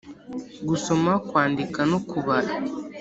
gusoma kwandika no kubara,